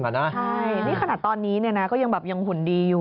ใช่นี่ขนาดตอนนี้ก็ยังแบบยังหุ่นดีอยู่